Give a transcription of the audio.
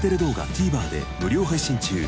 ＴＶｅｒで無料配信中。